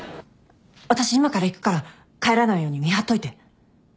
私今から行くから帰らないように見張っといて。